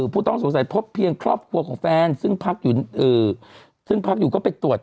ผู้ต้องสงสัยพบเพียงครอบครัวของแฟนซึ่งพักอยู่ก็ไปตรวจ